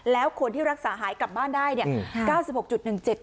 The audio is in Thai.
แล้วคนที่รักษาหายกลับบ้านได้เนี่ย๙๖๑๗